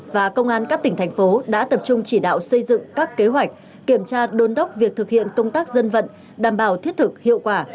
và công an các tỉnh thành phố đã tập trung chỉ đạo xây dựng các kế hoạch kiểm tra đôn đốc việc thực hiện công tác dân vận đảm bảo thiết thực hiệu quả